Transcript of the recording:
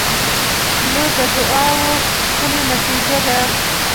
• لور د دعاوو ښکلی نتیجه ده.